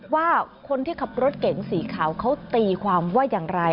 ว่าคนที่ขับรถเก๋งสีขาวเขาตีความว่าอย่างไร